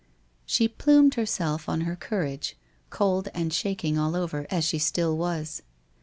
She plumed herself on her courage, cold, and shaking all over as she still was.